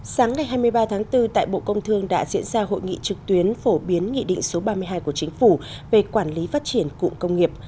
sáng ngày hai mươi ba tháng bốn tại bộ công thương đã diễn ra hội nghị trực tuyến phổ biến nghị định số ba mươi hai của chính phủ về quản lý phát triển cụm công nghiệp